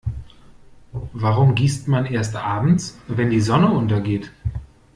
Warum gießt man erst abends, wenn die Sonne untergeht?